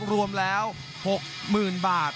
รวมแล้ว๖๐๐๐บาท